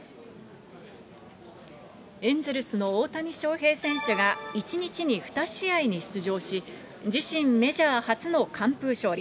エンゼルスの大谷翔平選手が、１日に２試合に出場し、自身メジャー初の完封勝利。